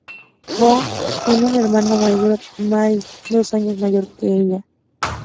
Bonnie tiene una hermana mayor, Mary, dos años mayor que ella.